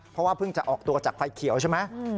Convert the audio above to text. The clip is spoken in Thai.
เพราะว่าเพิ่งจะออกตัวจากไฟเขียวใช่ไหม